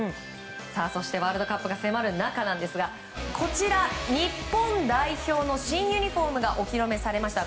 そしてワールドカップが迫る中日本代表の新ユニホームがお披露目されました。